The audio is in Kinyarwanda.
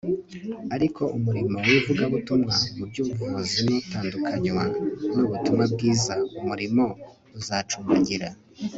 ariko umurimo w'ivugabutumwa mu by'ubuvuzi nutandukanywa n'ubutumwa bwiza, umurimo uzacumbagira